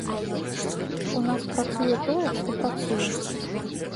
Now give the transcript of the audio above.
У нас працуе тое, што працуе.